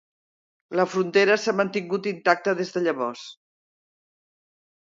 La frontera s'ha mantingut intacta des de llavors.